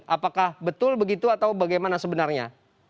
apakah betul begitu atau bagaimana sebenarnya